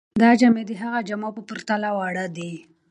دا جامې د هغه د جامو په پرتله واړه دي.